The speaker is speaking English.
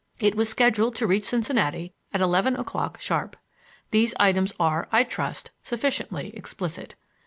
It was scheduled to reach Cincinnati at eleven o'clock sharp. These items are, I trust, sufficiently explicit.